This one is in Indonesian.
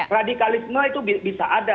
radikalisme itu bisa ada